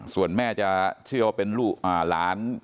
ส่วนแม่จะเชื่อว่าเป็นลูกหลาน